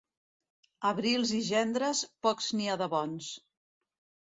Abrils i gendres, pocs n'hi ha de bons.